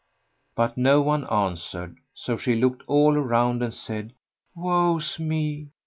[FN#105]'' But no one answered; so she looked all around and said, "Woe's me!